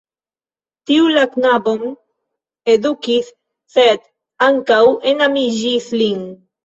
Tiu la knabon edukis, sed ankaŭ enamiĝis lin.